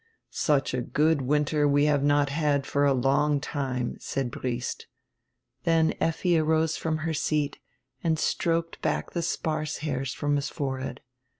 "Such a good winter we have not had for a long time," said Briest. Then Effi arose from her seat and stroked back die sparse hairs from his forehead.